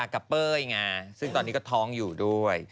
เป้ยไงซึ่งตอนนี้ก็ท้องอยู่ด้วย